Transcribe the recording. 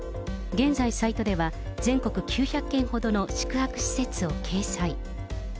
現在サイトでは、全国９００軒ほどの宿泊施設を掲載。